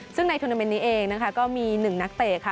ซึ่งในธุรกิจนี้เองก็มี๑นักเตะค่ะ